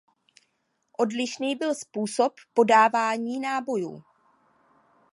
Odlišný byl způsob podávání nábojů.